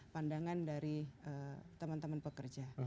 pandangan dari teman teman pekerja